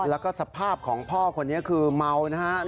แล้วก็สภาพของพ่อคนนี้คือเมานะครับ